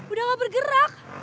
udah gak bergerak